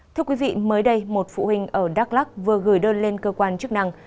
thưa quý vị mới đây một phụ huynh ở đắk lắc vừa gửi đơn lên cơ quan chức năng